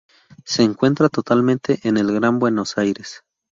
Se encuentra totalmente en el Gran Buenos Aires.